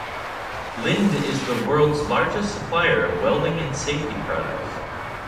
Linde is the world's largest supplier of welding and safety products.